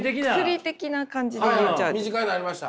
身近になりました！